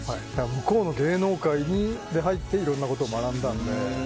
向こうの芸能界に入っていろんなことを学んだんで。